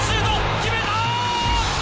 決めた！